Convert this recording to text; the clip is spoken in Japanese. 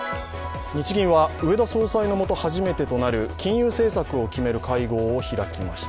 日銀は植田総裁のもと初めてとなる金融政策を決める会合を開きました。